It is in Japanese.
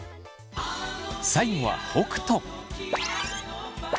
最後は北斗。